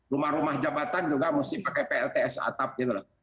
rumah rumah jabatan juga mesti pakai plts atap gitu loh